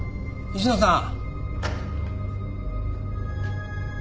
西野さん？